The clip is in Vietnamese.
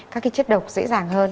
các cái chất độc dễ dàng hơn